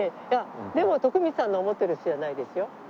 でも徳光さんの思ってる人じゃないですよ。